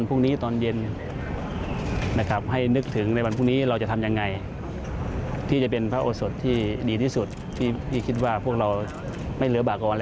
สมบัติเวิร์นสมบัติเวิร์นสมบัติเวิร์น